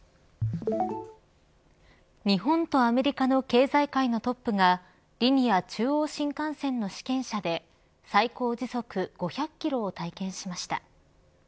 日本とアメリカの経済界のトップがリニア中央新幹線の試験車で最高時速５００キロを体験しました。